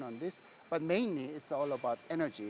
tapi terutama ini tentang energi